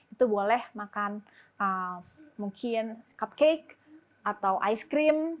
itu boleh makan mungkin cupcake atau ice cream